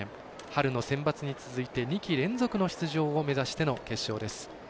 春のセンバツに続いて２季連続の出場を目指しての決勝です。